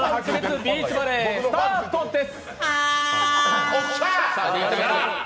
ビーチバレー」スタートです！